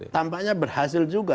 tampaknya berhasil juga